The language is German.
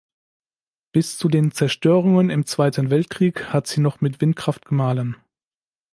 Bis zu den Zerstörungen im Zweiten Weltkrieg hat sie noch mit Windkraft gemahlen.